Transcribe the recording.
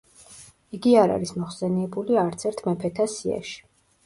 იგი არ არის მოხსენიებული არცერთ მეფეთა სიაში.